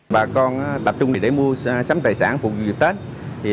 bà con tập trung để mua sắm tài sản phục dịch tết